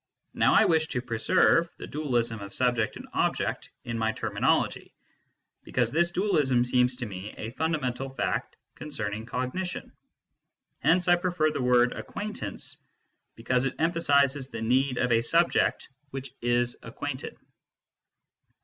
Now I wish to preserve the dualism of subject and object in^my terminology, because this dualism seems to me a fundamental fact concerning cognition. Hence I prefer the wordjacquaintance^ because it emphasises the need of a subject Avhich is acquainted.